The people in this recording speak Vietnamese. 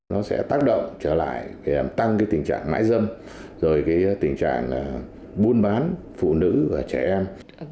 nó sẽ tác động trở lại tăng tình trạng mãi dân rồi tình trạng buôn bán phụ nữ và trẻ em